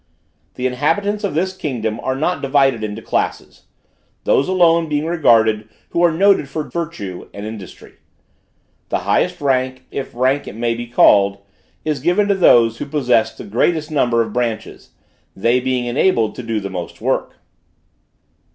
The inhabitants of this kingdom are not divided into classes; those alone being regarded who are noted for virtue and industry. The highest rank, if rank it may be called, is given to those who possess the greatest number of branches, they being enabled to do the most work.